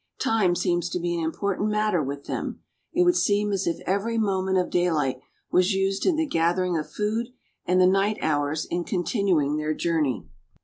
Time seems to be an important matter with them. It would seem as if every moment of daylight was used in the gathering of food and the night hours in continuing their journey.